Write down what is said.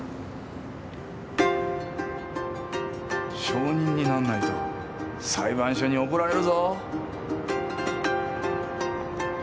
証人になんないと裁判所に怒られるぞ。